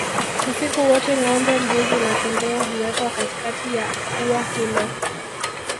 Usiku wote ngombe mbuzi na kondoo huwekwa katikati ya ua hilo